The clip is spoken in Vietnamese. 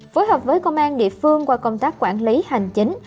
phối hợp với công an địa phương qua công tác quản lý hành chính